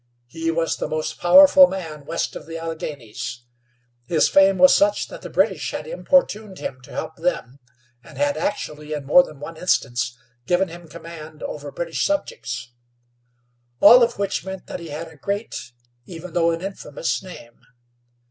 He was the most powerful man west of the Alleghenies. His fame was such that the British had importuned him to help them, and had actually, in more than one instance, given him command over British subjects. All of which meant that he had a great, even though an infamous name.